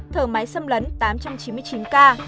thở máy xâm lấn tám trăm chín mươi chín ca